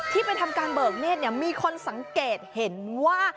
ที่เป็นทำการเบิกเน็ตมีคนสังเกตเห็นว่า